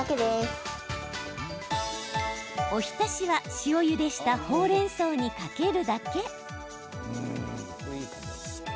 お浸しは、塩ゆでしたほうれんそうにかけるだけ。